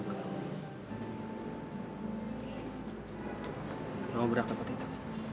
kamu beratkan waktu itu